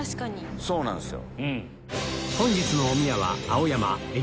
そうなんすよ。